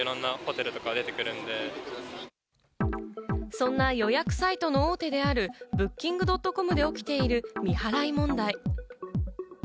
そんな予約サイトの大手であるＢｏｏｋｉｎｇ．ｃｏｍで起きている未払い問題。